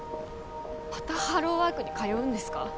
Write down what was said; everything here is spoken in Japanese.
またハローワークに通うんですか？